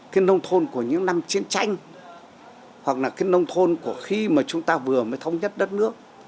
cái nông thôn của những năm chiến tranh hoặc là cái nông thôn của khi mà chúng ta vừa mới thống nhất đất nước